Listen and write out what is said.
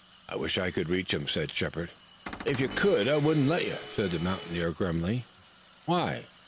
"I wish I could reach him," said Shepard. "Ef you could I wouldn't let you," said the mountaineer grimly. "Why?"